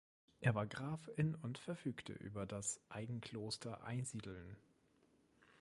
Er war Graf in und verfügte über das Eigenkloster Einsiedeln.